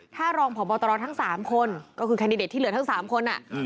ถ้ารองพบตรทั้ง๓คนก็คือแคนดิเดตที่เหลือทั้ง๓คน